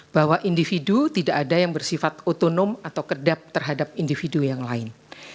bahwa individu tidak ada yang bersifat otonom atau kedap terhadap individu yang lain